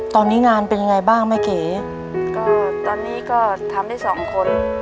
ตอนนี้งานเป็นยังไงบ้างแม่เก๋ก็ตอนนี้ก็ทำได้สองคน